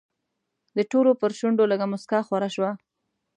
د ټولو پر شونډو لږه موسکا خوره شوه.